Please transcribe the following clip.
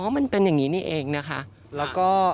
มันเป็นอย่างนี้นี่เองนะคะแล้วก็